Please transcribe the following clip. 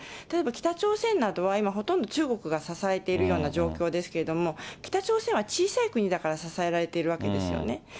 例えば北朝鮮などは、今、ほとんど中国が支えているような状況ですけれども、北朝鮮は小さい国だから支えられているわけですよね。